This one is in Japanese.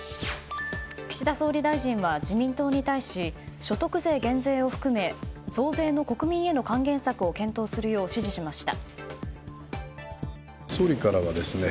岸田総理大臣は自民党に対し、所得税減税を含め増税の国民への還元策を検討するよう指示しました。